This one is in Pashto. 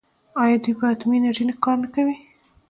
آیا دوی په اټومي انرژۍ کار نه کوي؟